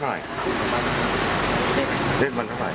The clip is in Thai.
เกมวันเท่าไหร่เล่นวันเท่าไหร่